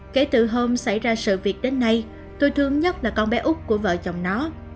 kể từ hôm xảy ra sự việc đến nay tôi thương nhất là con bé úc của vợ chồng nó